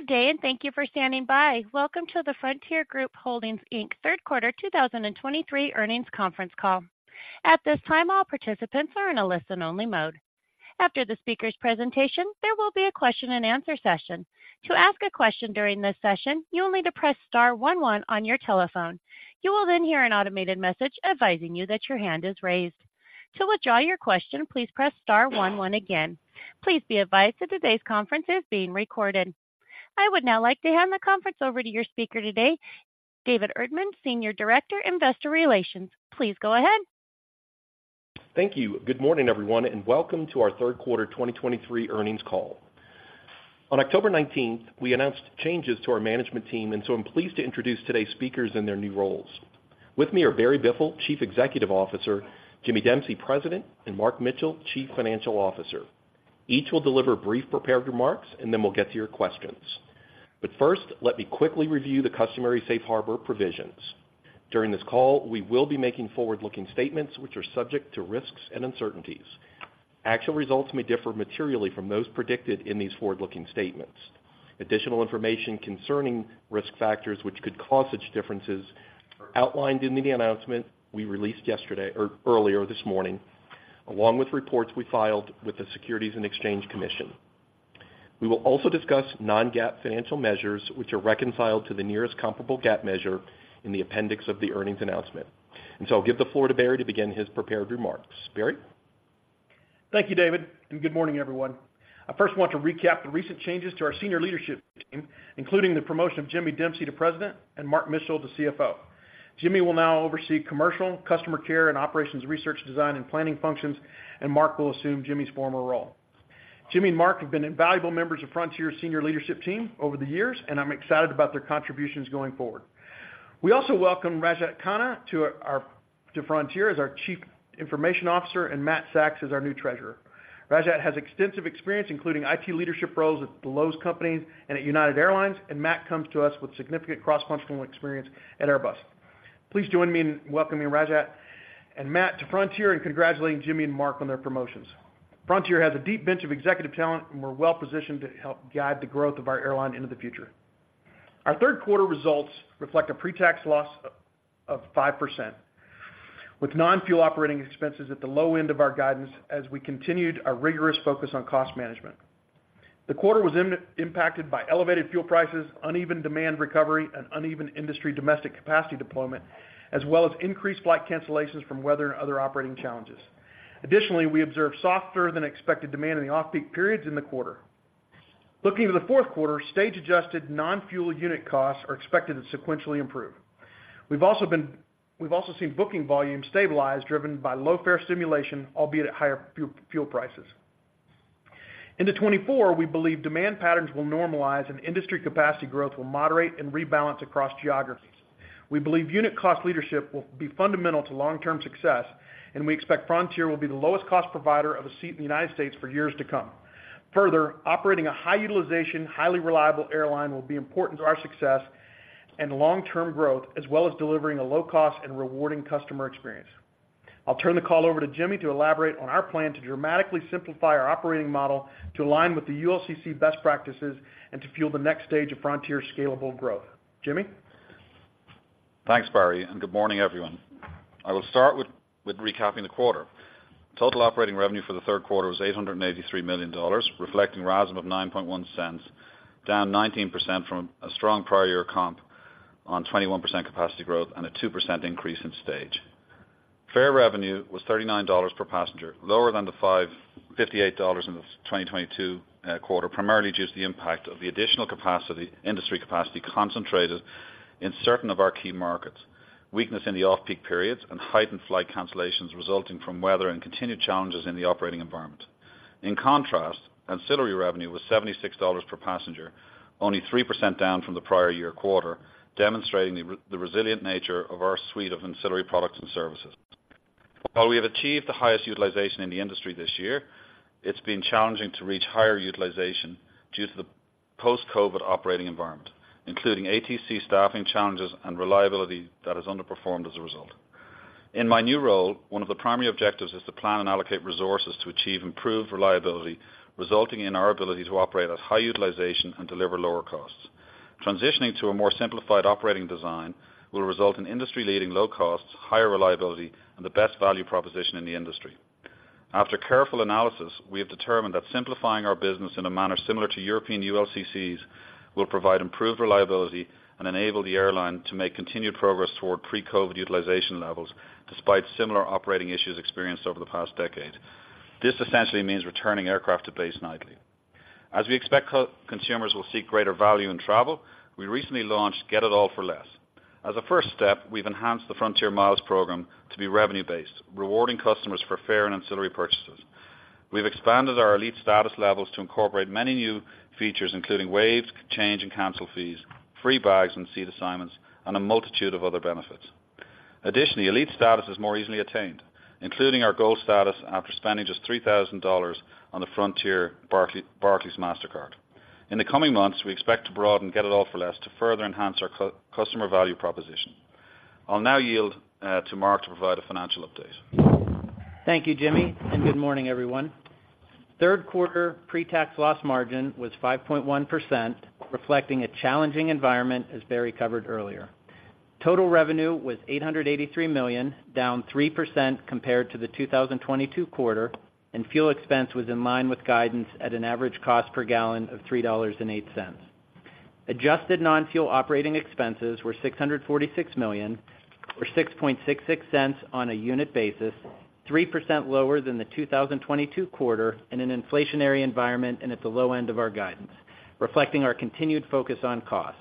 Good day, and thank you for standing by. Welcome to the Frontier Group Holdings, Inc. Q3 2023 earnings conference call. At this time, all participants are in a listen-only mode. After the speaker's presentation, there will be a question-and-answer session. To ask a question during this session, you will need to press star 11 on your telephone. You will then hear an automated message advising you that your hand is raised. To withdraw your question, please press star 11 again. Please be advised that today's conference is being recorded. I would now like to hand the conference over to your speaker today, David Erdman, Senior Director, Investor Relations. Please go ahead. Thank you. Good morning, everyone, and welcome to our Q3 2023 earnings call. On October 19, we announced changes to our management team, and so I'm pleased to introduce today's speakers in their new roles. With me are Barry Biffle, Chief Executive Officer, Jimmy Dempsey, President, and Mark Mitchell, Chief Financial Officer. Each will deliver brief prepared remarks, and then we'll get to your questions. But first, let me quickly review the customary safe harbor provisions. During this call, we will be making forward-looking statements which are subject to risks and uncertainties. Actual results may differ materially from those predicted in these forward-looking statements. Additional information concerning risk factors, which could cause such differences, are outlined in the announcement we released yesterday or earlier this morning, along with reports we filed with the Securities and Exchange Commission. We will also discuss non-GAAP financial measures, which are reconciled to the nearest comparable GAAP measure in the appendix of the earnings announcement. I'll give the floor to Barry to begin his prepared remarks. Barry? Thank you, David, and good morning, everyone. I first want to recap the recent changes to our senior leadership team, including the promotion of Jimmy Dempsey to President and Mark Mitchell to CFO. Jimmy will now oversee commercial, customer care, and operations, research, design, and planning functions, and Mark will assume Jimmy's former role. Jimmy and Mark have been invaluable members of Frontier's senior leadership team over the years, and I'm excited about their contributions going forward. We also welcome Rajat Khanna to our, to Frontier as our Chief Information Officer and Matt Saks as our new Treasurer. Rajat has extensive experience, including IT leadership roles at the Lowe's Companies and at United Airlines, and Matt comes to us with significant cross-functional experience at Airbus. Please join me in welcoming Rajat and Matt to Frontier and congratulating Jimmy and Mark on their promotions. Frontier has a deep bench of executive talent, and we're well-positioned to help guide the growth of our airline into the future. Our Q3 results reflect a pre-tax loss of 5%, with non-fuel operating expenses at the low end of our guidance as we continued our rigorous focus on cost management. The quarter was impacted by elevated fuel prices, uneven demand recovery, and uneven industry domestic capacity deployment, as well as increased flight cancellations from weather and other operating challenges. Additionally, we observed softer than expected demand in the off-peak periods in the quarter. Looking to the Q4, stage-adjusted non-fuel unit costs are expected to sequentially improve. We've also seen booking volumes stabilize, driven by low fare stimulation, albeit at higher fuel prices. Into 2024, we believe demand patterns will normalize and industry capacity growth will moderate and rebalance across geographies. We believe unit cost leadership will be fundamental to long-term success, and we expect Frontier will be the lowest cost provider of a seat in the United States for years to come. Further, operating a high-utilization, highly reliable airline will be important to our success and long-term growth, as well as delivering a low cost and rewarding customer experience. I'll turn the call over to Jimmy to elaborate on our plan to dramatically simplify our operating model to align with the ULCC best practices and to fuel the next stage of Frontier's scalable growth. Jimmy? Thanks, Barry, and good morning, everyone. I will start with recapping the quarter. Total operating revenue for the Q3 was $883 million, reflecting RASM of 9.1 cents, down 19% from a strong prior year comp on 21% capacity growth and a 2% increase in stage. Fare revenue was $39 per passenger, lower than the $58 in the 2022 quarter, primarily due to the impact of the additional capacity, industry capacity, concentrated in certain of our key markets, weakness in the off-peak periods, and heightened flight cancellations resulting from weather and continued challenges in the operating environment. In contrast, ancillary revenue was $76 per passenger, only 3% down from the prior year quarter, demonstrating the resilient nature of our suite of ancillary products and services. While we have achieved the highest utilization in the industry this year, it's been challenging to reach higher utilization due to the post-COVID operating environment, including ATC staffing challenges and reliability that has underperformed as a result. In my new role, one of the primary objectives is to plan and allocate resources to achieve improved reliability, resulting in our ability to operate at high utilization and deliver lower costs. Transitioning to a more simplified operating design will result in industry-leading low costs, higher reliability, and the best value proposition in the industry. After careful analysis, we have determined that simplifying our business in a manner similar to European ULCCs will provide improved reliability and enable the airline to make continued progress toward pre-COVID utilization levels, despite similar operating issues experienced over the past decade. This essentially means returning aircraft to base nightly. As we expect consumers will seek greater value in travel, we recently launched Get It All For Less. As a first step, we've enhanced the Frontier Miles program to be revenue-based, rewarding customers for fare and ancillary purchases. We've expanded our elite status levels to incorporate many new features, including waived change and cancel fees, free bags and seat assignments, and a multitude of other benefits. Additionally, elite status is more easily attained, including our gold status, after spending just $3,000 on the Frontier Barclays MasterCard. In the coming months, we expect to broaden Get It All For Less to further enhance our customer value proposition.... I'll now yield to Mark to provide a financial update. Thank you, Jimmy, and good morning, everyone. Q3 pre-tax loss margin was 5.1%, reflecting a challenging environment, as Barry covered earlier. Total revenue was $883 million, down 3% compared to the 2022 quarter, and fuel expense was in line with guidance at an average cost per gallon of $3.08. Adjusted non-fuel operating expenses were $646 million, or 6.66 cents on a unit basis, 3% lower than the 2022 quarter in an inflationary environment and at the low end of our guidance, reflecting our continued focus on costs.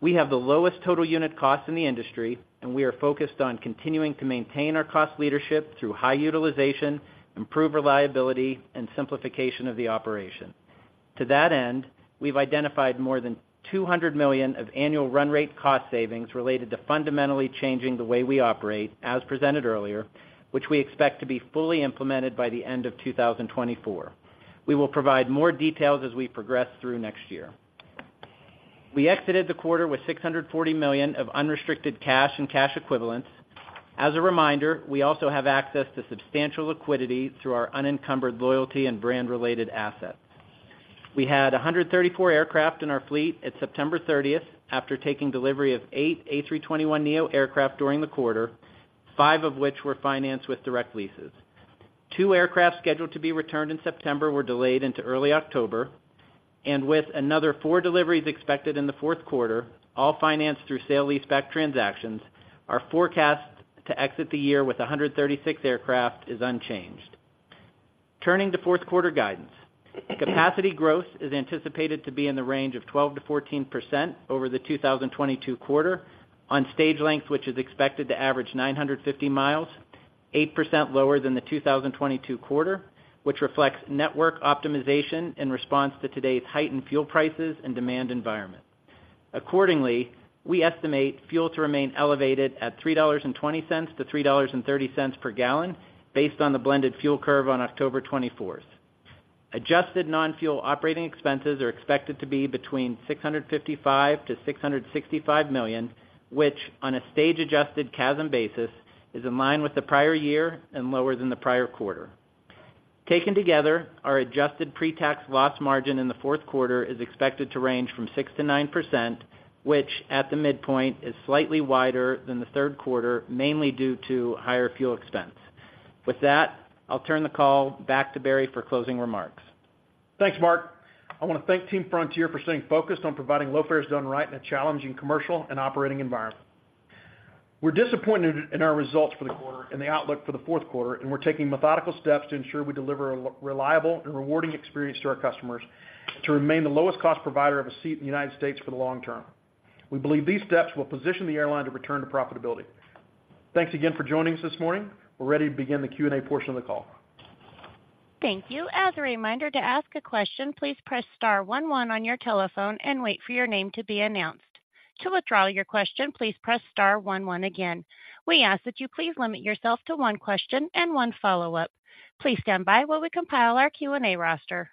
We have the lowest total unit costs in the industry, and we are focused on continuing to maintain our cost leadership through high utilization, improved reliability, and simplification of the operation. To that end, we've identified more than $200 million of annual run rate cost savings related to fundamentally changing the way we operate, as presented earlier, which we expect to be fully implemented by the end of 2024. We will provide more details as we progress through next year. We exited the quarter with $640 million of unrestricted cash and cash equivalents. As a reminder, we also have access to substantial liquidity through our unencumbered loyalty and brand-related assets. We had 134 aircraft in our fleet at September 30, after taking delivery of 8 A321neo aircraft during the quarter, five of which were financed with direct leases. Two aircraft scheduled to be returned in September were delayed into early October, and with another four deliveries expected in the Q4, all financed through sale leaseback transactions, our forecast to exit the year with 136 aircraft is unchanged. Turning to Q4 guidance. Capacity growth is anticipated to be in the range of 12%-14% over the 2022 quarter on stage length, which is expected to average 950 miles, 8% lower than the 2022 quarter, which reflects network optimization in response to today's heightened fuel prices and demand environment. Accordingly, we estimate fuel to remain elevated at $3.20-$3.30 per gallon based on the blended fuel curve on October 24th. Adjusted non-fuel operating expenses are expected to be between $655 million-$665 million, which, on a stage-adjusted CASM basis, is in line with the prior year and lower than the prior quarter. Taken together, our adjusted pre-tax loss margin in the Q4 is expected to range from 6%-9%, which, at the midpoint, is slightly wider than the Q3, mainly due to higher fuel expense. With that, I'll turn the call back to Barry for closing remarks. Thanks, Mark. I want to thank Team Frontier for staying focused on providing low fares done right in a challenging commercial and operating environment. We're disappointed in our results for the quarter and the outlook for the Q4, and we're taking methodical steps to ensure we deliver a reliable and rewarding experience to our customers to remain the lowest cost provider of a seat in the United States for the long term. We believe these steps will position the airline to return to profitability. Thanks again for joining us this morning. We're ready to begin the Q&A portion of the call. Thank you. As a reminder, to ask a question, please press star 1 1 on your telephone and wait for your name to be announced. To withdraw your question, please press star one 1 1 again. We ask that you please limit yourself to one question and one follow-up. Please stand by while we compile our Q&A roster.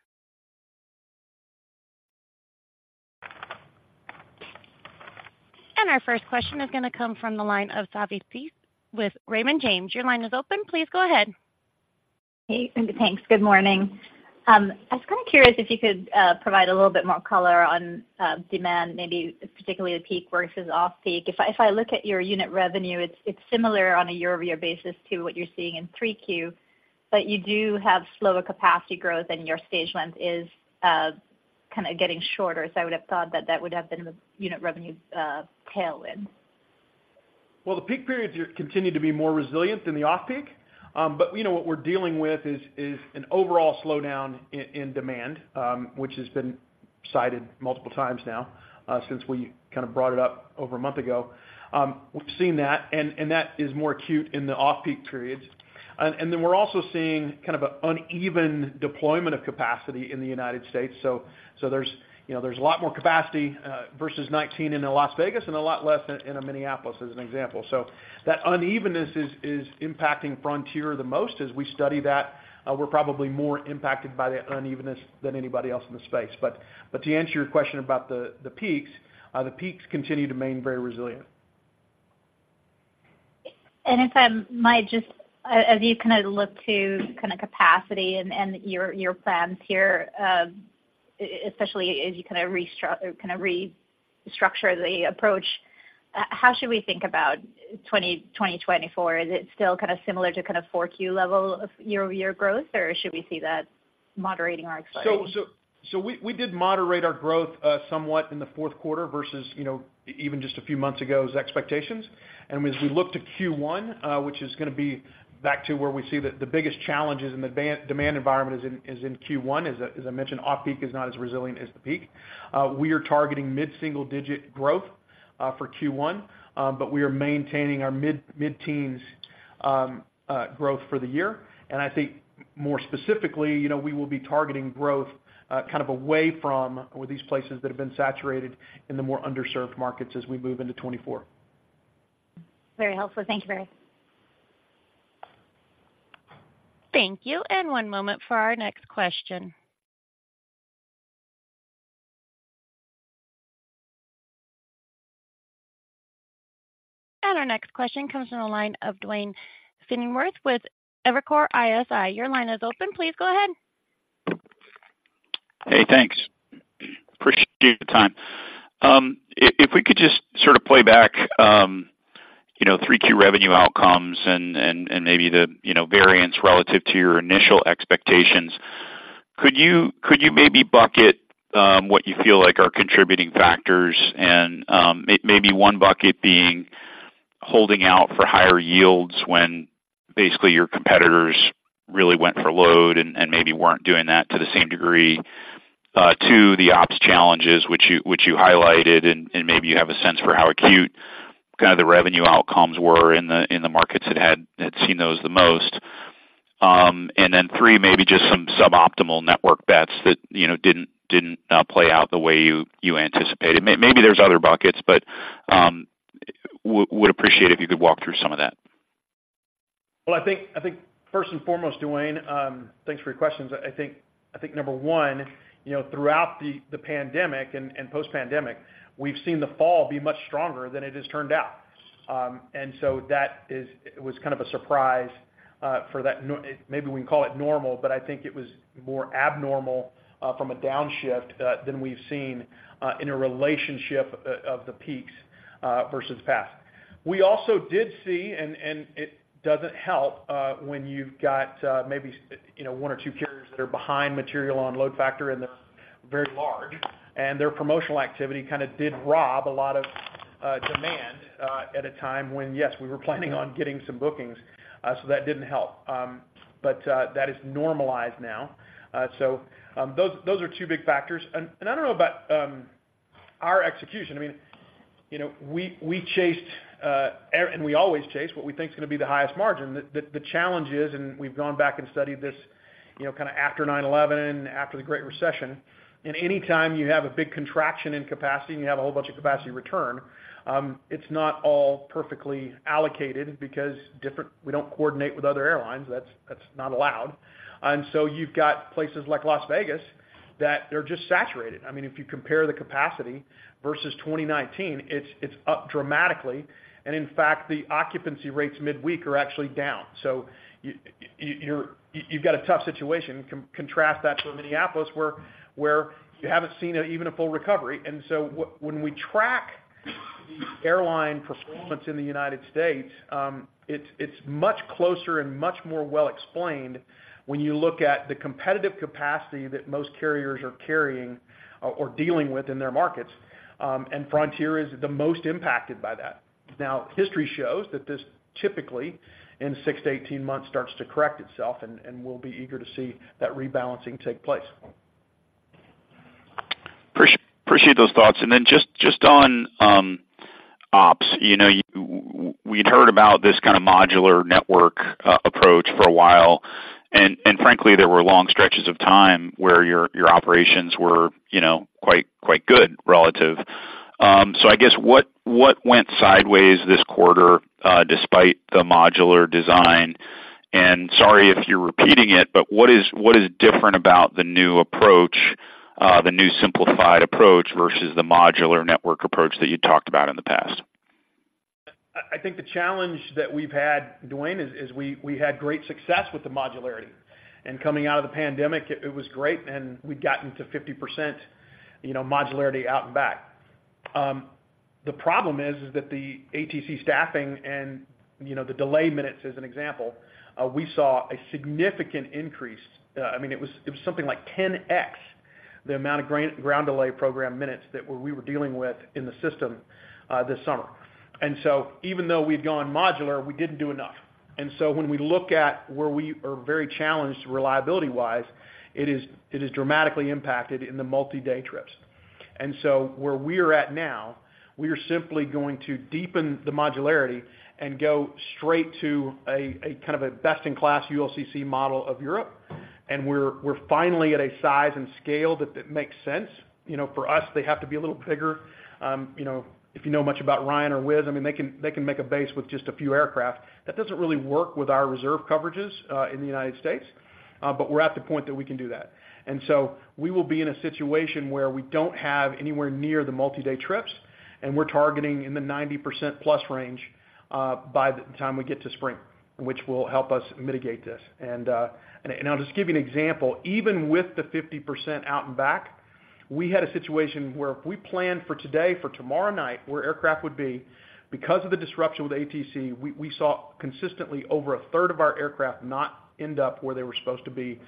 Our first question is gonna come from the line of Savanthi Syth with Raymond James. Your line is open. Please go ahead. Hey, thanks. Good morning. I was kind of curious if you could provide a little bit more color on demand, maybe particularly the peak versus off-peak. If I, if I look at your unit revenue, it's, it's similar on a year-over-year basis to what you're seeing in 3Q, but you do have slower capacity growth and your stage length is kind of getting shorter. So I would have thought that that would have been the unit revenue tailwind. Well, the peak periods continue to be more resilient than the off-peak. But you know, what we're dealing with is an overall slowdown in demand, which has been cited multiple times now since we kind of brought it up over a month ago. We've seen that, and that is more acute in the off-peak periods. And then we're also seeing kind of an uneven deployment of capacity in the United States. So there's, you know, there's a lot more capacity versus 2019 in Las Vegas and a lot less in Minneapolis, as an example. So that unevenness is impacting Frontier the most. As we study that, we're probably more impacted by that unevenness than anybody else in the space. But to answer your question about the peaks, the peaks continue to remain very resilient. If I might just as you kind of look to kind of capacity and your plans here, especially as you kind of restructure the approach, how should we think about 2024? Is it still kind of similar to kind of 4Q level of year-over-year growth, or should we see that moderating our expectations? So we did moderate our growth somewhat in the Q4 versus, you know, even just a few months ago as expectations. As we look to Q1, which is gonna be back to where we see the biggest challenges in the demand environment is in Q1. As I mentioned, off-peak is not as resilient as the peak. We are targeting mid-single digit growth for Q1, but we are maintaining our mid-teens growth for the year. And I think more specifically, you know, we will be targeting growth kind of away from with these places that have been saturated in the more underserved markets as we move into 2024. Very helpful. Thank you, Barry. Thank you, and one moment for our next question... Our next question comes from the line of Duane Pfennigwerth with Evercore ISI. Your line is open. Please go ahead. Hey, thanks. Appreciate the time. If we could just sort of play back, you know, three key revenue outcomes and maybe the, you know, variance relative to your initial expectations, could you maybe bucket what you feel like are contributing factors and maybe one bucket being holding out for higher yields when basically your competitors really went for load and maybe weren't doing that to the same degree? One, the ops challenges which you highlighted, and maybe you have a sense for how acute kind of the revenue outcomes were in the markets that had seen those the most. Three, maybe just some suboptimal network bets that didn't play out the way you anticipated. Maybe there's other buckets, but would appreciate if you could walk through some of that. Well, I think, I think first and foremost, Duane, thanks for your questions. I think, I think number one, you know, throughout the pandemic and post-pandemic, we've seen the fall be much stronger than it has turned out. And so that was kind of a surprise, for that, maybe we can call it normal, but I think it was more abnormal from a downshift than we've seen in a relationship of the peaks versus past. We also did see, and it doesn't help, when you've got, maybe, you know, one or two carriers that are behind materially on load factor, and they're very large, and their promotional activity kind of did rob a lot of demand at a time when, yes, we were planning on getting some bookings, so that didn't help. But that is normalized now. So those are two big factors. And I don't know about our execution. I mean, you know, we chased and we always chase what we think is gonna be the highest margin. The challenge is, and we've gone back and studied this, you know, kind of after 9/11, after the Great Recession, and any time you have a big contraction in capacity, and you have a whole bunch of capacity return, it's not all perfectly allocated because we don't coordinate with other airlines. That's not allowed. And so you've got places like Las Vegas that they're just saturated. I mean, if you compare the capacity versus 2019, it's up dramatically, and in fact, the occupancy rates midweek are actually down. So you've got a tough situation. Contrast that to Minneapolis, where you haven't seen even a full recovery. And so when we track the airline performance in the United States, it's much closer and much more well explained when you look at the competitive capacity that most carriers are carrying or dealing with in their markets, and Frontier is the most impacted by that. Now, history shows that this typically, in 6-18 months, starts to correct itself, and we'll be eager to see that rebalancing take place. Appreciate those thoughts. And then just, just on, ops, you know, we'd heard about this kind of modular network approach for a while, and frankly, there were long stretches of time where your operations were, you know, quite good relative. So I guess, what went sideways this quarter, despite the modular design? And sorry if you're repeating it, but what is different about the new approach, the new simplified approach versus the modular network approach that you talked about in the past? I think the challenge that we've had, Duane, is we had great success with the modularity. And coming out of the pandemic, it was great, and we'd gotten to 50%, you know, modularity out and back. The problem is that the ATC staffing and, you know, the delay minutes, as an example, we saw a significant increase. I mean, it was something like 10x the amount of ground delay program minutes that we were dealing with in the system this summer. And so even though we'd gone modular, we didn't do enough. And so when we look at where we are very challenged, reliability-wise, it is dramatically impacted in the multi-day trips. And so where we're at now, we are simply going to deepen the modularity and go straight to a kind of a best-in-class ULCC model of Europe. And we're finally at a size and scale that makes sense. You know, for us, they have to be a little bigger. You know, if you know much about Ryanair or Wizz, I mean, they can make a base with just a few aircraft. That doesn't really work with our reserve coverages in the United States, but we're at the point that we can do that. And so we will be in a situation where we don't have anywhere near the multi-day trips, and we're targeting in the 90%+ range by the time we get to spring, which will help us mitigate this. And I'll just give you an example. Even with the 50% out and back, we had a situation where if we planned for today, for tomorrow night, where aircraft would be, because of the disruption with ATC, we saw consistently over a third of our aircraft not end up where they were supposed to be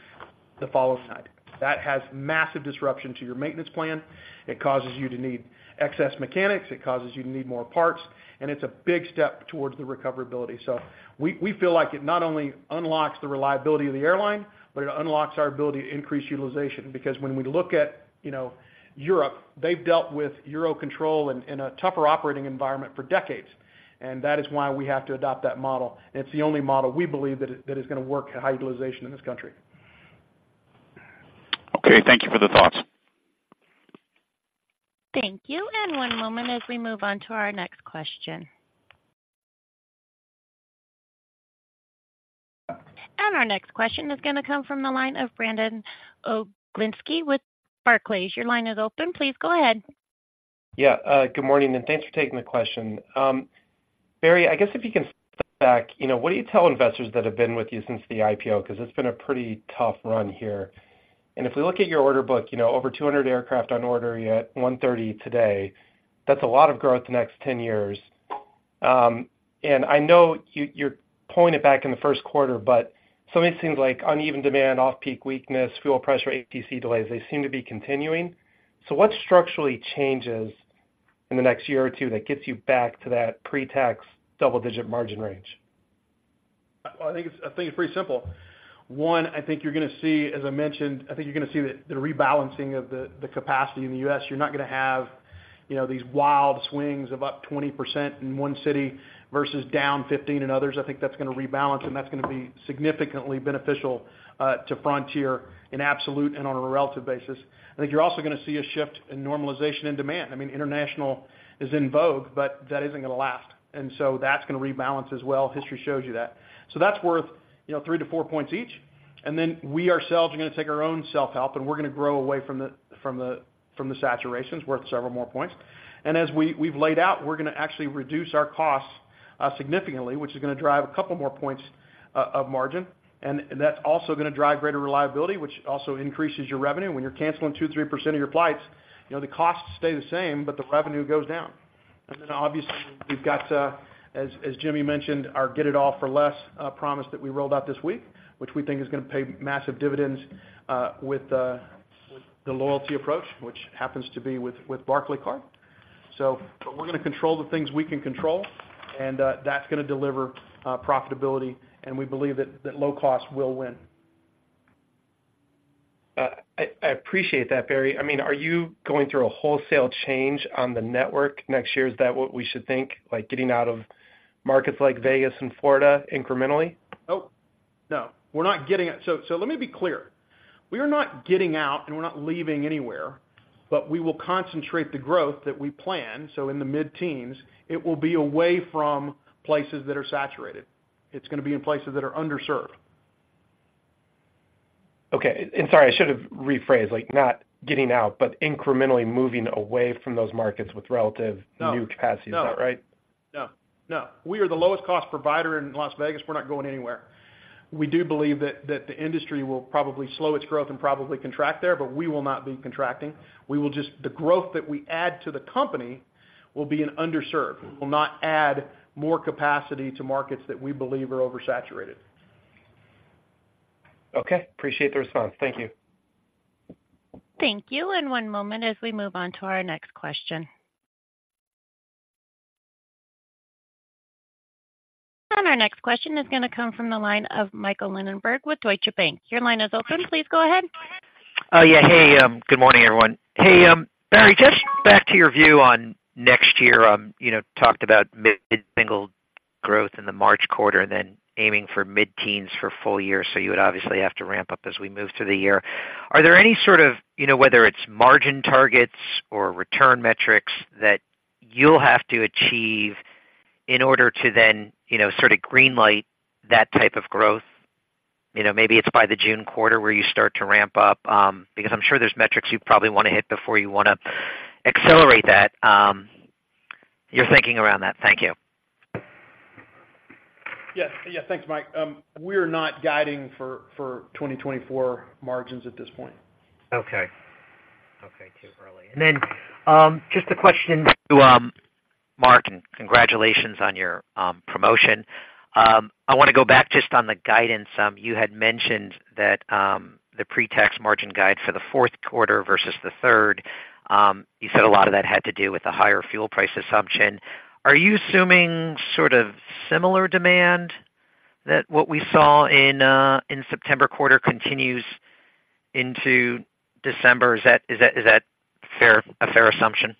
the following night. That has massive disruption to your maintenance plan. It causes you to need excess mechanics, it causes you to need more parts, and it's a big step towards the recoverability. So we feel like it not only unlocks the reliability of the airline, but it unlocks our ability to increase utilization. Because when we look at, you know, Europe, they've dealt with Euro control and in a tougher operating environment for decades, and that is why we have to adopt that model. It's the only model we believe that is gonna work high utilization in this country. Okay, thank you for the thoughts. Thank you, and one moment as we move on to our next question... Our next question is going to come from the line of Brandon Oglenski with Barclays. Your line is open. Please go ahead. Yeah, good morning, and thanks for taking the question. Barry, I guess if you can step back, you know, what do you tell investors that have been with you since the IPO? Because it's been a pretty tough run here. And if we look at your order book, you know, over 200 aircraft on order, yet 130 today, that's a lot of growth the next 10 years. And I know you're pulling it back in the Q1, but so many things like uneven demand, off-peak weakness, fuel pressure, ATC delays, they seem to be continuing. So what structurally changes in the next year or two that gets you back to that pre-tax double-digit margin range? Well, I think it's pretty simple. One, I think you're going to see, as I mentioned, the rebalancing of the capacity in the U.S. You're not going to have, you know, these wild swings of up 20% in one city versus down 15% in others. I think that's going to rebalance, and that's going to be significantly beneficial to Frontier in absolute and on a relative basis. I think you're also going to see a shift in normalization and demand. I mean, international is in vogue, but that isn't going to last, and so that's going to rebalance as well. History shows you that. That's worth, you know, 3-4 points each, and then we ourselves are going to take our own self-help, and we're going to grow away from the saturation. It's worth several more points. As we've laid out, we're going to actually reduce our costs significantly, which is going to drive a couple more points of margin, and that's also going to drive greater reliability, which also increases your revenue. When you're canceling 2-3% of your flights, you know, the costs stay the same, but the revenue goes down. Obviously, we've got, as Jimmy mentioned, our Get It All For Less promise that we rolled out this week, which we think is going to pay massive dividends with the loyalty approach, which happens to be with Barclaycard. But we're going to control the things we can control, and that's going to deliver profitability, and we believe that that low cost will win. I appreciate that, Barry. I mean, are you going through a wholesale change on the network next year? Is that what we should think, like getting out of markets like Vegas and Florida incrementally? Nope. No, we're not getting out. So, so let me be clear. We are not getting out, and we're not leaving anywhere, but we will concentrate the growth that we plan, so in the mid-teens, it will be away from places that are saturated. It's going to be in places that are underserved. Okay. Sorry, I should have rephrased, like, not getting out, but incrementally moving away from those markets with relative- No. new capacity. Is that right? No, no. We are the lowest cost provider in Las Vegas. We're not going anywhere. We do believe that, that the industry will probably slow its growth and probably contract there, but we will not be contracting. We will just, the growth that we add to the company will be in underserved. We'll not add more capacity to markets that we believe are oversaturated. Okay, appreciate the response. Thank you. Thank you, and one moment as we move on to our next question. Our next question is going to come from the line of Michael Linenberg with Deutsche Bank. Your line is open. Please go ahead. Yeah. Hey, good morning, everyone. Hey, Barry, just back to your view on next year. You know, talked about mid-single growth in the March quarter and then aiming for mid-teens for full year, so you would obviously have to ramp up as we move through the year. Are there any sort of, you know, whether it's margin targets or return metrics, that you'll have to achieve in order to then, you know, sort of green light that type of growth? You know, maybe it's by the June quarter where you start to ramp up, because I'm sure there's metrics you probably want to hit before you want to accelerate that. You're thinking around that. Thank you. Yes. Yeah, thanks, Mike. We are not guiding for 2024 margins at this point. Okay. Too early. Just a question to Mark, and congratulations on your promotion. I want to go back just on the guidance. You had mentioned that the pre-tax margin guide for the Q4 versus the third, you said a lot of that had to do with the higher fuel price assumption. Are you assuming sort of similar demand, that what we saw in the September quarter continues into December? Is that a fair assumption?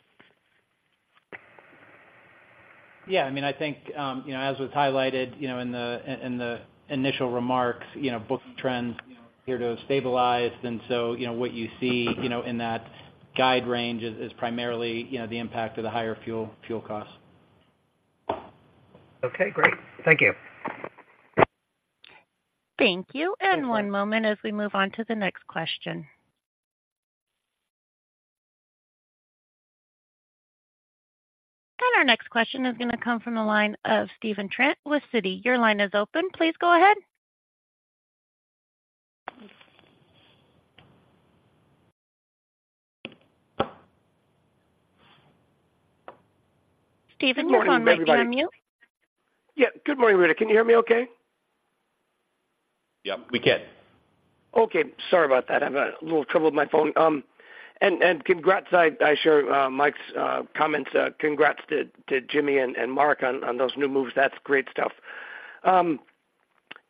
Yeah, I mean, I think, you know, as was highlighted, you know, in the initial remarks, you know, booking trends appear to have stabilized. And so, you know, what you see, you know, in that guide range is primarily, you know, the impact of the higher fuel costs. Okay, great. Thank you. Thank you. One moment as we move on to the next question. Our next question is going to come from the line of Stephen Trent with Citi. Your line is open. Please go ahead. Stephen, you're on mute. Yeah. Good morning, Rita. Can you hear me okay? Yeah, we can. Okay, sorry about that. I'm having a little trouble with my phone. And, congrats. I share Mike's comments, congrats to Jimmy and Mark on those new moves. That's great stuff.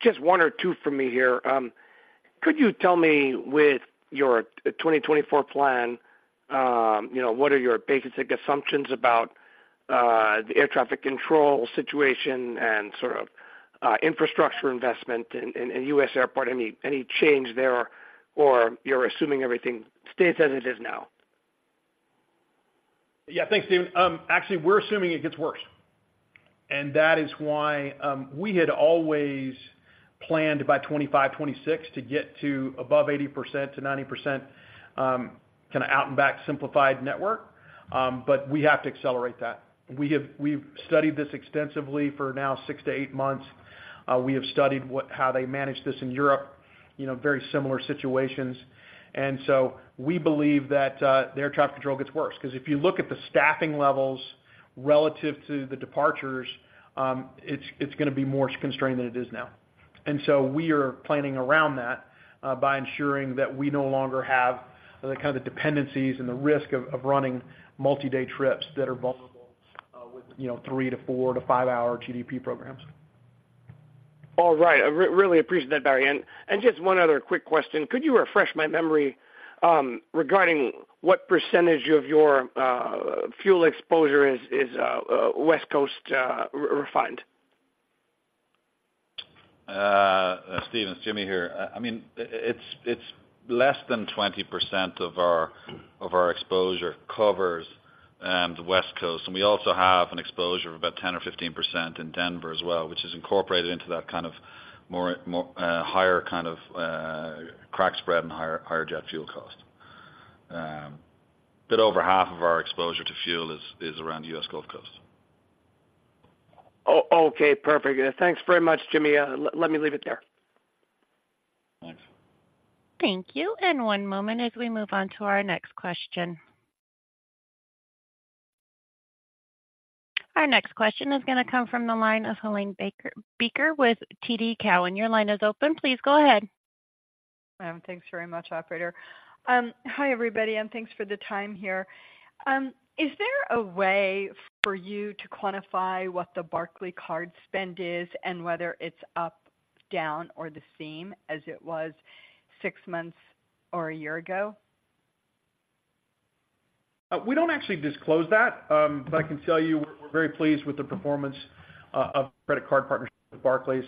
Just one or two for me here. Could you tell me with your 2024 plan, you know, what are your basic assumptions about the air traffic control situation and sort of infrastructure investment in U.S. airport? Any change there, or you're assuming everything stays as it is now? Yeah, thanks, Steven. Actually, we're assuming it gets worse, and that is why we had always planned by 2025, 2026 to get to above 80%-90% kind of out-and-back simplified network, but we have to accelerate that. We've studied this extensively for now 6-8 months. We have studied how they manage this in Europe, you know, very similar situations. We believe that the air traffic control gets worse, because if you look at the staffing levels relative to the departures, it's going to be more constrained than it is now. We are planning around that by ensuring that we no longer have the kind of dependencies and the risk of running multi-day trips that are vulnerable, you know, with 3-4-5 hour GDP programs. All right. I really appreciate that, Barry. And just one other quick question. Could you refresh my memory regarding what percentage of your fuel exposure is West Coast refined? Steven, it's Jimmy here. It's less than 20% of our exposure covers the West Coast, and we also have an exposure of about 10 or 15% in Denver as well, which is incorporated into that kind of higher crack spread and higher jet fuel cost. But over half of our exposure to fuel is around the US Gulf Coast. Okay, perfect. Thanks very much, Jimmy. Let me leave it there. Thanks. Thank you, and one moment as we move on to our next question. Our next question is gonna come from the line of Helane Becker with TD Cowen. Your line is open. Please go ahead. Thanks very much, operator. Hi, everybody, and thanks for the time here. Is there a way for you to quantify what the Barclays card spend is and whether it's up, down, or the same as it was six months or a year ago? We don't actually disclose that, but I can tell you we're very pleased with the performance of credit card partnership with Barclays.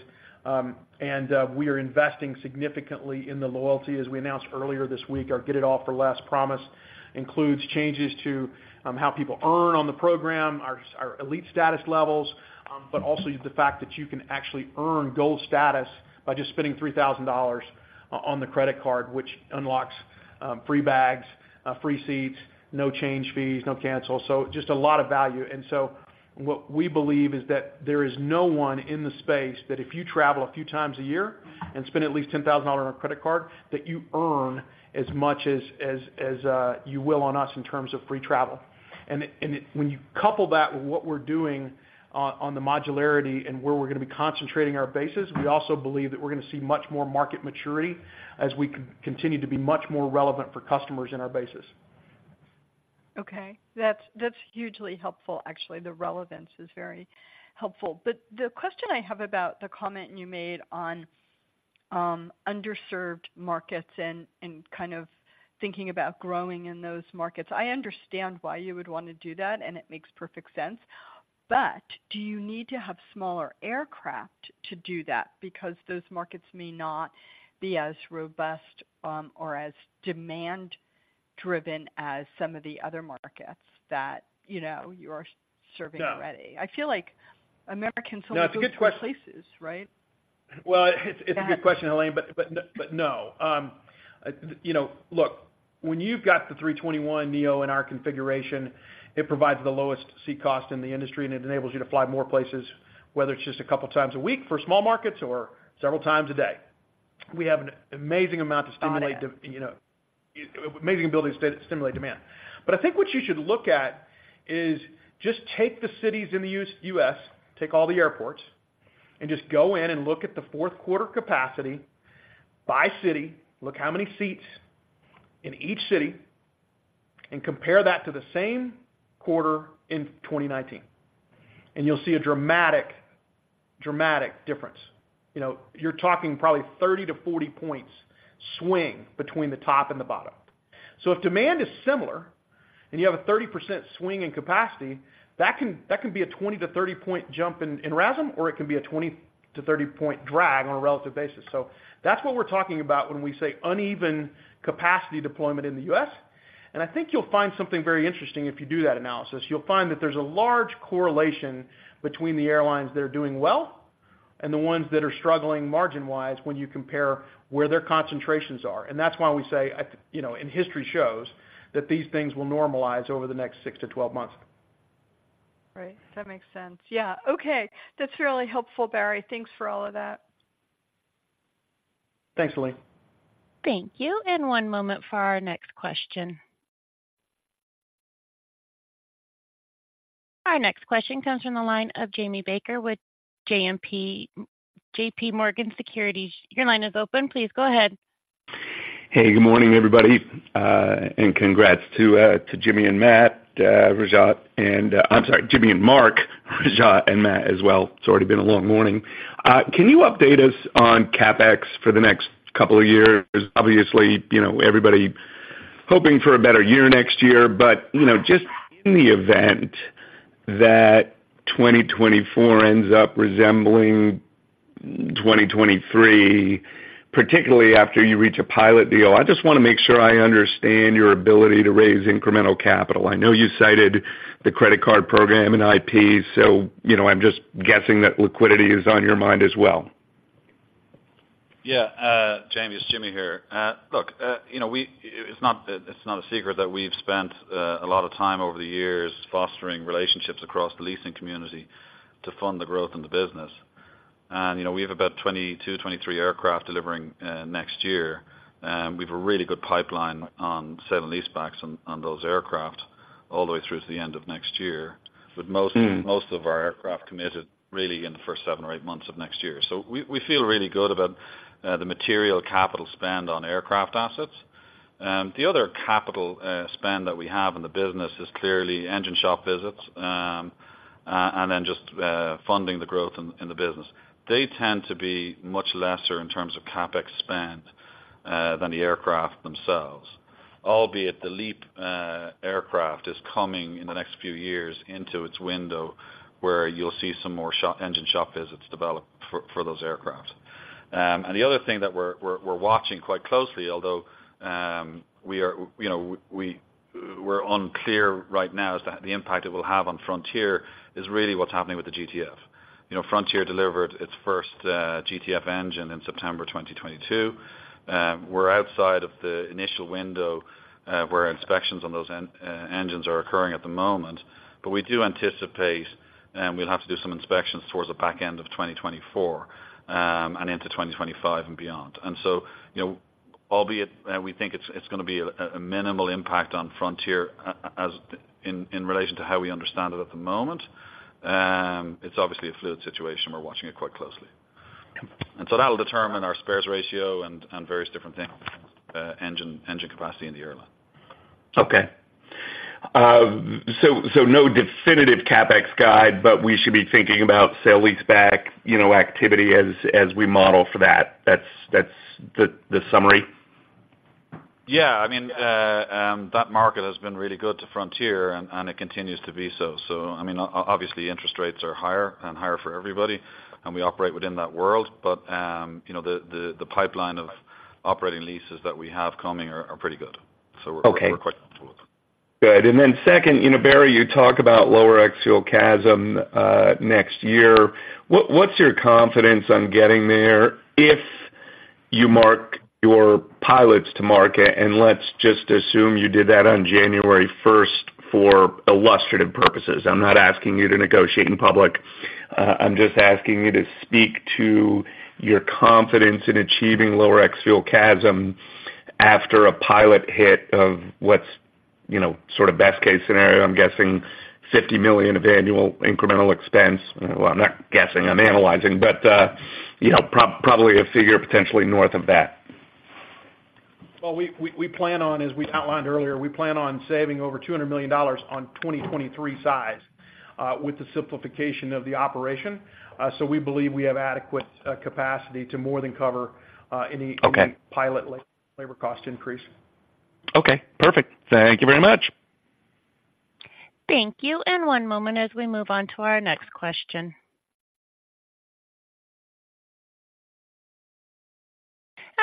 We are investing significantly in the loyalty. As we announced earlier this week, our Get It All For Less promise includes changes to how people earn on the program, our elite status levels, but also the fact that you can actually earn gold status by just spending $3,000 on the credit card, which unlocks free bags, free seats, no change fees, no cancel. Just a lot of value. And so what we believe is that there is no one in the space that if you travel a few times a year and spend at least $10,000 on a credit card, that you earn as much as you will on us in terms of free travel. And when you couple that with what we're doing on the modularity and where we're gonna be concentrating our bases, we also believe that we're gonna see much more market maturity as we continue to be much more relevant for customers in our bases. Okay. That's, that's hugely helpful, actually. The relevance is very helpful. But the question I have about the comment you made on underserved markets and kind of thinking about growing in those markets, I understand why you would want to do that, and it makes perfect sense. But do you need to have smaller aircraft to do that? Because those markets may not be as robust or as demand-driven as some of the other markets that, you know, you are serving already. No. I feel like American can only- No, it's a good question. Go places, right? Well, it's a good question, Helane, but no. You know, look, when you've got the A321neo in our configuration, it provides the lowest seat cost in the industry, and it enables you to fly more places, whether it's just a couple times a week for small markets or several times a day. We have an amazing amount to stimulate- Got it. You know, amazing ability to stimulate demand. But I think what you should look at is just take the cities in the U.S., take all the airports, and just go in and look at the Q4 capacity by city, look how many seats in each city, and compare that to the same quarter in 2019, and you'll see a dramatic, dramatic difference. You know, you're talking probably 30-40 points swing between the top and the bottom. So if demand is similar and you have a 30% swing in capacity, that can, that can be a 20-30 point jump in, in RASM, or it can be a 20-30 point drag on a relative basis. So that's what we're talking about when we say uneven capacity deployment in the U.S. And I think you'll find something very interesting if you do that analysis. You'll find that there's a large correlation between the airlines that are doing well and the ones that are struggling margin-wise, when you compare where their concentrations are. That's why we say, you know, and history shows that these things will normalize over the next 6-12 months. Right. That makes sense. Yeah. Okay. That's really helpful, Barry. Thanks for all of that. Thanks, Helane. Thank you, and one moment for our next question. Our next question comes from the line of Jamie Baker with J.P. Morgan Securities. Your line is open. Please go ahead. Hey, good morning, everybody, and congrats to Jimmy and Matt, Rajat, and... I'm sorry, Jimmy and Mark, Rajat and Matt as well. It's already been a long morning. Can you update us on CapEx for the next couple of years? Obviously, you know, everybody hoping for a better year next year, but, you know, just in the event that 2024 ends up resembling 2023, particularly after you reach a pilot deal. I just want to make sure I understand your ability to raise incremental capital. I know you cited the credit card program and IP, so, you know, I'm just guessing that liquidity is on your mind as well. Yeah, Jamie, it's Jimmy here. Look, you know, we—it's not, it's not a secret that we've spent a lot of time over the years fostering relationships across the leasing community to fund the growth in the business. And, you know, we have about 22, 23 aircraft delivering next year, and we've a really good pipeline on sale and leasebacks on, on those aircraft all the way through to the end of next year. Mm. Most of our aircraft are committed really in the first seven or eight months of next year. We feel really good about the material capital spend on aircraft assets. The other capital spend that we have in the business is clearly engine shop visits, and then just funding the growth in the business. They tend to be much lesser in terms of CapEx spend than the aircraft themselves. Albeit, the LEAP aircraft is coming in the next few years into its window, where you'll see some more engine shop visits develop for those aircraft. The other thing that we're watching quite closely, although we are, you know, we're unclear right now, is the impact it will have on Frontier is really what's happening with the GTF. You know, Frontier delivered its first GTF engine in September 2022. We're outside of the initial window where inspections on those engines are occurring at the moment, but we do anticipate, and we'll have to do some inspections towards the back end of 2024, and into 2025 and beyond. And so, you know, albeit, we think it's gonna be a minimal impact on Frontier as in relation to how we understand it at the moment, it's obviously a fluid situation. We're watching it quite closely. And so that'll determine our spares ratio and various different things, engine capacity in the airline. Okay. So no definitive CapEx guide, but we should be thinking about sale leaseback, you know, activity as we model for that. That's the summary? Yeah. I mean, that market has been really good to Frontier, and it continues to be so. So I mean, obviously, interest rates are higher and higher for everybody, and we operate within that world, but, you know, the pipeline of operating leases that we have coming are pretty good. Okay. We're quite comfortable with. Good. And then second, you know, Barry, you talked about lower axial CASM next year. What, what's your confidence on getting there if you mark your pilots to market, and let's just assume you did that on January first, for illustrative purposes? I'm not asking you to negotiate in public. I'm just asking you to speak to your confidence in achieving lower axial CASM after a pilot hit of what's, you know, sort of best case scenario, I'm guessing $50 million of annual incremental expense. Well, I'm not guessing, I'm analyzing, but, you know, probably a figure potentially north of that. Well, we plan on, as we outlined earlier, saving over $200 million on 2023 size with the simplification of the operation. So we believe we have adequate capacity to more than cover any- Okay... pilot labor cost increase. Okay, perfect. Thank you very much. Thank you, and one moment as we move on to our next question.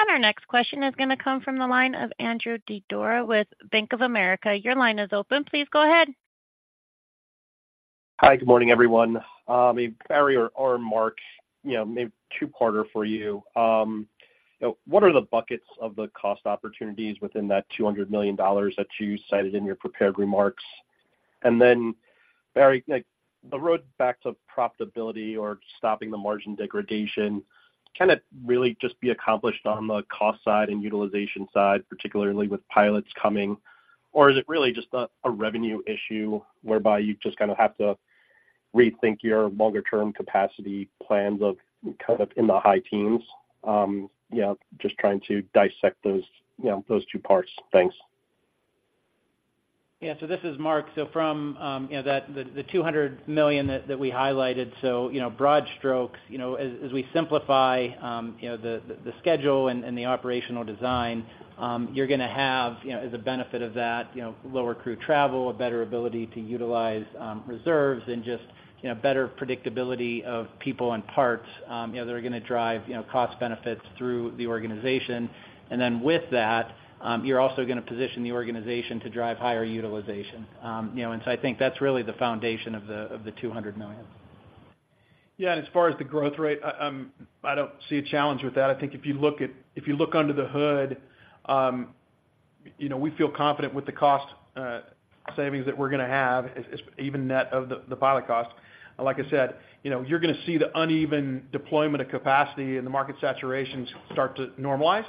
Our next question is gonna come from the line of Andrew Didora with Bank of America. Your line is open. Please go ahead. Hi, good morning, everyone. Barry or Mark, you know, maybe two parter for you. You know, what are the buckets of the cost opportunities within that $200 million that you cited in your prepared remarks? And then, Barry, like, the road back to profitability or stopping the margin degradation, can it really just be accomplished on the cost side and utilization side, particularly with pilots coming, or is it really just a revenue issue whereby you just kind of have to rethink your longer-term capacity plans of kind of in the high teens? You know, just trying to dissect those two parts. Thanks. Yeah. So this is Mark. So from, you know, the two hundred million that we highlighted, so, you know, broad strokes, you know, as we simplify, you know, the schedule and the operational design, you're gonna have, you know, as a benefit of that, you know, lower crew travel, a better ability to utilize, reserves and just, you know, better predictability of people and parts, you know, that are gonna drive, you know, cost benefits through the organization. And then with that, you're also gonna position the organization to drive higher utilization. You know, and so I think that's really the foundation of the two hundred million. Yeah, and as far as the growth rate, I, I don't see a challenge with that. I think if you look under the hood, you know, we feel confident with the cost savings that we're gonna have, as even net of the pilot cost. Like I said, you know, you're gonna see the uneven deployment of capacity and the market saturations start to normalize.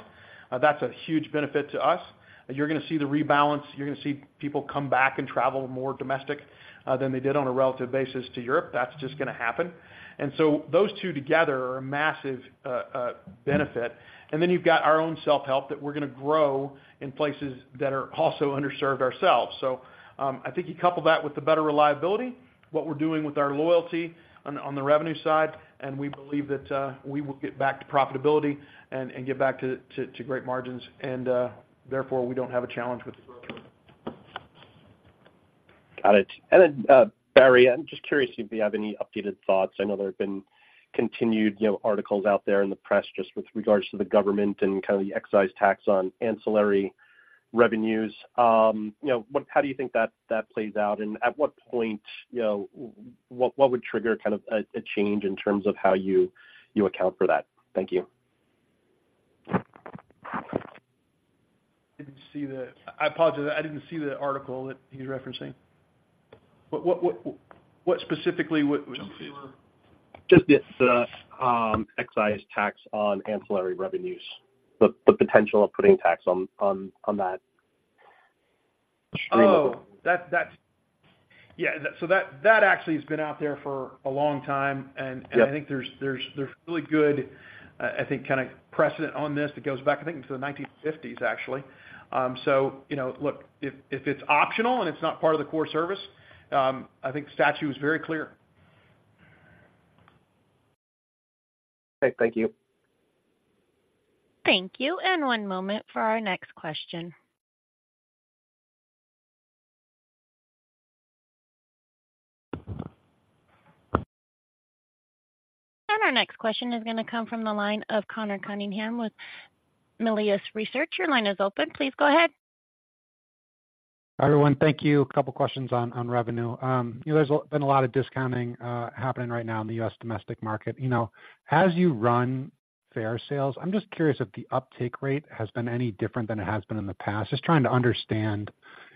That's a huge benefit to us. You're gonna see the rebalance, you're gonna see people come back and travel more domestic than they did on a relative basis to Europe. That's just gonna happen. And so those two together are a massive benefit. And then you've got our own self-help that we're gonna grow in places that are also underserved ourselves. So, I think you couple that with the better reliability, what we're doing with our loyalty on the revenue side, and we believe that we will get back to profitability and get back to great margins, and therefore, we don't have a challenge with the growth rate.... Got it. And then, Barry, I'm just curious if you have any updated thoughts. I know there have been continued, you know, articles out there in the press just with regards to the government and kind of the excise tax on ancillary revenues. You know, what, how do you think that plays out? And at what point, you know, what would trigger kind of a change in terms of how you account for that? Thank you. I apologize. I didn't see the article that he's referencing. But what specifically were you? Just the excise tax on ancillary revenues, the potential of putting tax on that. Yeah, so that actually has been out there for a long time. Yep. And I think there's really good, I think, kind of precedent on this that goes back, I think, to the 1950s, actually. So you know, look, if it's optional and it's not part of the core service, I think the statute is very clear. Okay, thank you. Thank you. One moment for our next question. Our next question is gonna come from the line of Connor Cunningham with Melius Research. Your line is open. Please go ahead. Hi, everyone. Thank you. A couple questions on revenue. You know, there's been a lot of discounting happening right now in the US domestic market. You know, as you run fare sales, I'm just curious if the uptake rate has been any different than it has been in the past. Just trying to understand,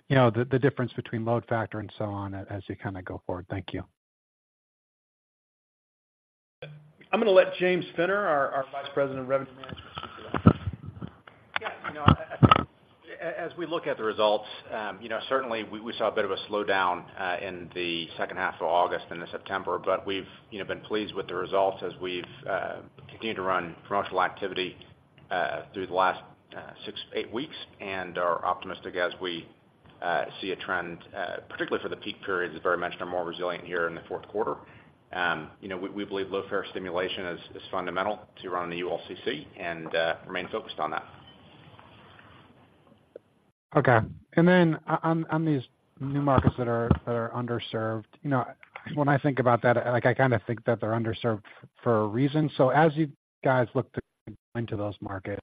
you know, the difference between load factor and so on, as you kind of go forward. Thank you. I'm gonna let James Finner, our Vice President of Revenue Management, answer that. Yeah, you know, I think as we look at the results, you know, certainly we saw a bit of a slowdown in the H2 of August and into September. But we've, you know, been pleased with the results as we've continued to run promotional activity through the last 6-8 weeks, and are optimistic as we see a trend, particularly for the peak periods, as Barry mentioned, are more resilient here in the Q4. You know, we believe low fare stimulation is fundamental to running the ULCC and remain focused on that. Okay. And then on these new markets that are underserved, you know, when I think about that, like I kind of think that they're underserved for a reason. So as you guys look to go into those markets,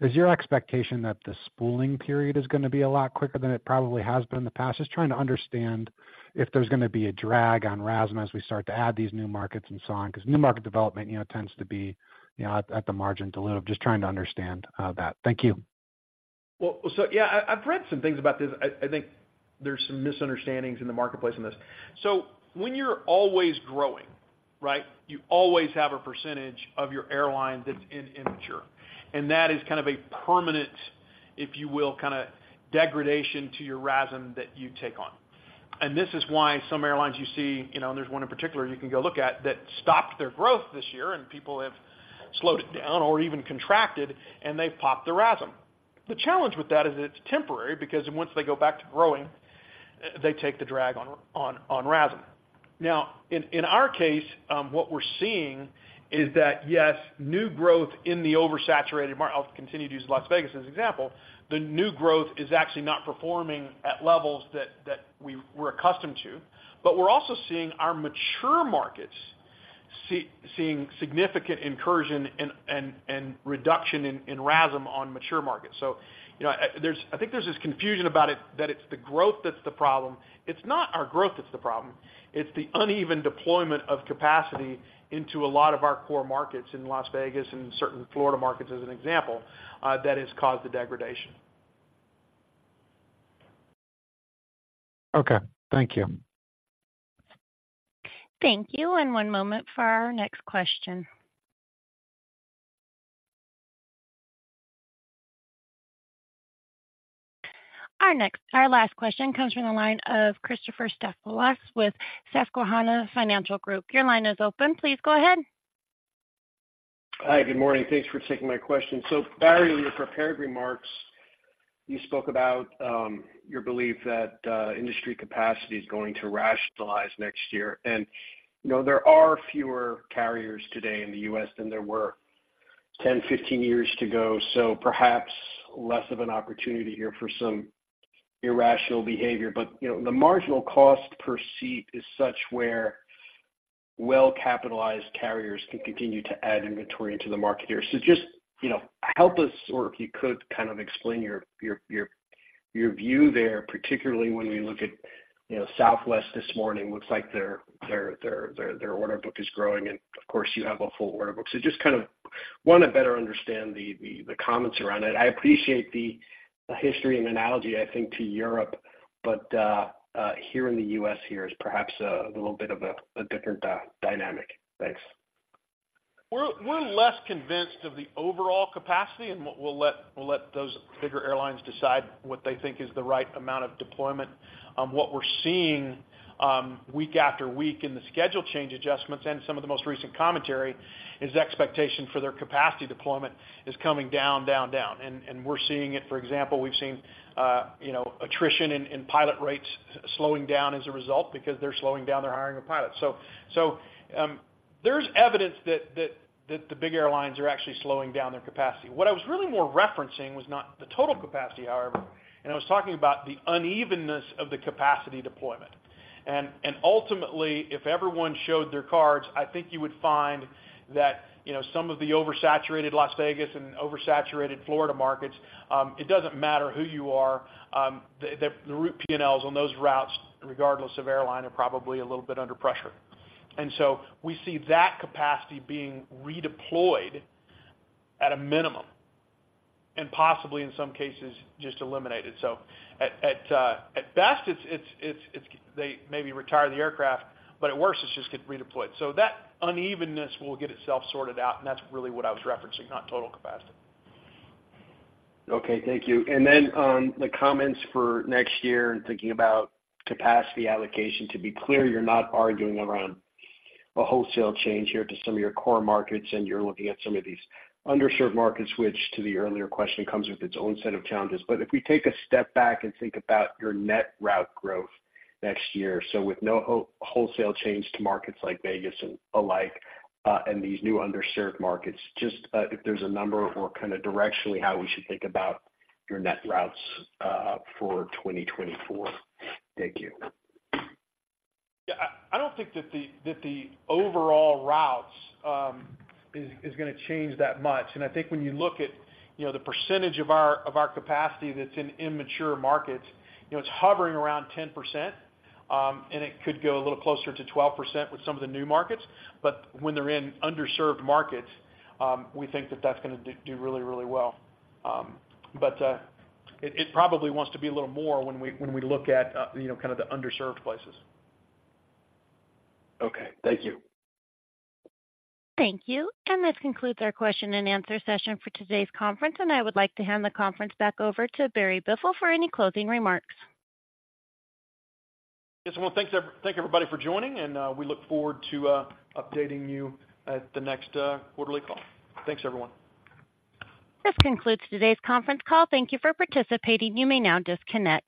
is your expectation that the spooling period is gonna be a lot quicker than it probably has been in the past? Just trying to understand if there's gonna be a drag on RASM as we start to add these new markets and so on, because new market development, you know, tends to be, you know, at the margin dilutive. Just trying to understand that. Thank you. Well, yeah, I've read some things about this. I think there's some misunderstandings in the marketplace on this. When you're always growing, right, you always have a percentage of your airline that's immature, and that is kind of a permanent, if you will, kind of degradation to your RASM that you take on. This is why some airlines you see, you know, and there's one in particular you can go look at, that stopped their growth this year, and people have slowed it down or even contracted, and they've popped the RASM. The challenge with that is it's temporary, because once they go back to growing, they take the drag on RASM. Now, in our case, what we're seeing is that, yes, new growth in the oversaturated market, I'll continue to use Las Vegas as an example, the new growth is actually not performing at levels that we were accustomed to. But we're also seeing our mature markets seeing significant incursion and reduction in RASM on mature markets. So, you know, there's I think there's this confusion about it, that it's the growth that's the problem. It's not our growth that's the problem. It's the uneven deployment of capacity into a lot of our core markets in Las Vegas and certain Florida markets, as an example, that has caused the degradation. Okay, thank you. Thank you. One moment for our next question. Our next, our last question comes from the line of Christopher Stefanakis with Susquehanna Financial Group. Your line is open. Please go ahead. Hi, good morning. Thanks for taking my question. So, Barry, in your prepared remarks, you spoke about your belief that industry capacity is going to rationalize next year. And, you know, there are fewer carriers today in the U.S. than there were 10, 15 years ago, so perhaps less of an opportunity here for some irrational behavior. But, you know, the marginal cost per seat is such where well-capitalized carriers can continue to add inventory into the market here. So just, you know, help us, or if you could, kind of explain your view there, particularly when we look at, you know, Southwest this morning, looks like their order book is growing, and of course, you have a full order book. So just kind of want to better understand the comments around it. I appreciate the history and analogy, I think, to Europe, but here in the US here is perhaps a little bit of a different dynamic. Thanks. We're less convinced of the overall capacity, and we'll let those bigger airlines decide what they think is the right amount of deployment. What we're seeing week after week in the schedule change adjustments and some of the most recent commentary is the expectation for their capacity deployment is coming down, down, down. And we're seeing it, for example, we've seen you know, attrition in pilot rates slowing down as a result because they're slowing down their hiring of pilots. There's evidence that the big airlines are actually slowing down their capacity. What I was really more referencing was not the total capacity, however, and I was talking about the unevenness of the capacity deployment. Ultimately, if everyone showed their cards, I think you would find that, you know, some of the oversaturated Las Vegas and oversaturated Florida markets, it doesn't matter who you are, the route PNLs on those routes, regardless of airline, are probably a little bit under pressure. And so we see that capacity being redeployed at a minimum and possibly, in some cases, just eliminated. So at best, it's they maybe retire the aircraft, but at worst, it's just get redeployed. So that unevenness will get itself sorted out, and that's really what I was referencing, not total capacity. Okay, thank you. And then on the comments for next year and thinking about capacity allocation, to be clear, you're not arguing around a wholesale change here to some of your core markets, and you're looking at some of these underserved markets, which, to the earlier question, comes with its own set of challenges. But if we take a step back and think about your net route growth next year, so with no wholesale change to markets like Vegas and alike, and these new underserved markets, just, if there's a number or kind of directionally, how we should think about your net routes, for 2024. Thank you. Yeah, I don't think that the overall routes is gonna change that much. I think when you look at, you know, the percentage of our capacity that's in immature markets, you know, it's hovering around 10%, and it could go a little closer to 12% with some of the new markets. But when they're in underserved markets, we think that that's gonna do really, really well. But it probably wants to be a little more when we look at, you know, kind of the underserved places. Okay, thank you. Thank you. This concludes our question and answer session for today's conference, and I would like to hand the conference back over to Barry Biffle for any closing remarks. Yes, I want to thank everybody for joining, and we look forward to updating you at the next quarterly call. Thanks, everyone. This concludes today's conference call. Thank you for participating. You may now disconnect.